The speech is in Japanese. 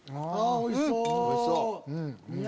おいしそう！